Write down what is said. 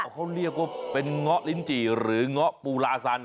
เขาเรียกว่าเป็นเงาะลิ้นจี่หรือเงาะปูลาซัน